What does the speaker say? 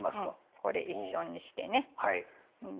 これ一緒にしてねお塩。